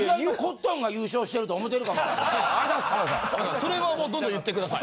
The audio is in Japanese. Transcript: それはどんどん言って下さい。